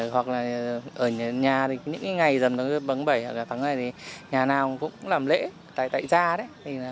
hoặc là ở nhà thì những ngày dầm tháng bảy hoặc là tháng này thì nhà nào cũng làm lễ tại ra đấy